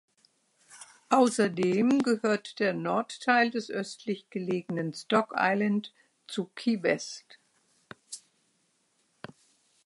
Außerdem gehört der Nordteil des östlich gelegenen Stock Island zu Key West.